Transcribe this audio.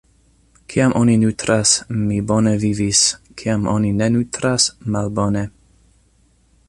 Kiam oni nutras, mi bone vivis, kiam oni ne nutras - malbone.